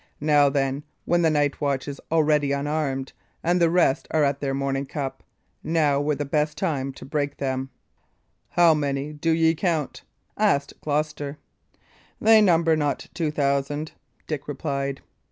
Now, then, when the night watch is already unarmed, and the rest are at their morning cup now were the time to break them." "How many do ye count?" asked Gloucester. "They number not two thousand," Dick replied.